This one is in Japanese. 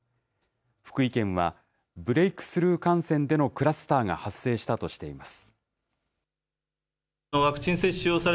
福井県は、ブレイクスルー感染でのクラスターが発生したとしています。